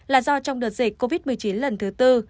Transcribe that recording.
là do trong đợt dịch covid một mươi chín lần thứ tư